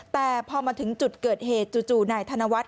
แต่พอมาถึงจุดเกิดเหตุจู่นายธนวัฒน